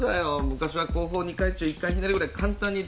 昔は後方２回宙１回ひねりぐらい簡単に。